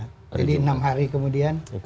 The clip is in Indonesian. jadi enam hari kemudian